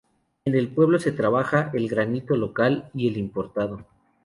En el pueblo se trabaja el granito local y el importado.